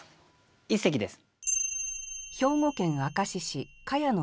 一席です。